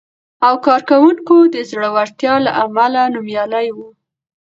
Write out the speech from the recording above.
او کارونکو د زړورتیا له امله نومیالی و،